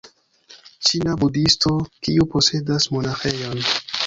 Ĉina budhisto, kiu posedas monaĥejon